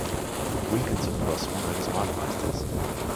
Wilkinson war der Sohn eines Malermeisters.